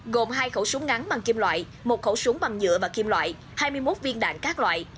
gồm hai khẩu súng ngắn bằng kim loại một khẩu súng bằng nhựa và kim loại hai mươi một viên đạn các loại